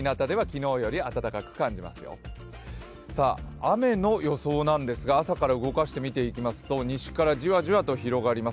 雨の予想なんですが朝から動かして見ていきますと西からじわじわと広がります。